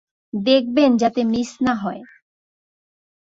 দেখবেন যাতে মিস না হয়।